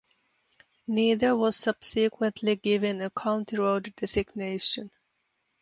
Neither was subsequently given a County Road designation.